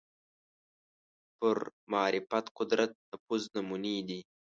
پر معرفت قدرت نفوذ نمونې دي